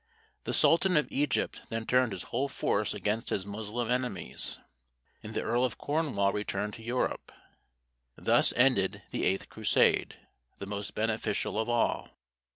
The sultan of Egypt then turned his whole force against his Moslem enemies, and the Earl of Cornwall returned to Europe. Thus ended the eighth Crusade, the most beneficial of all.